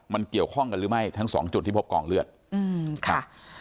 มันเกี่ยวข้องกันหรือไม่ทั้งสองจุดที่พบกองเลือดอืมครับ